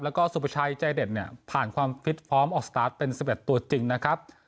แล้วก็สุประชัยใจเด็ดเนี่ยผ่านความฟิตพร้อมออกสตาร์ทเป็น๑๑ตัวจริงนะครับ